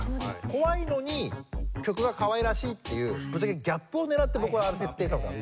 怖いのに曲がかわいらしいっていうぶっちゃけギャップを狙って僕は設定したんですよ